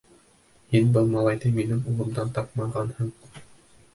— Һин был малайҙы минең улымдан тапмағанһың!